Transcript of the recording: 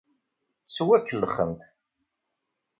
Ttwakellxent.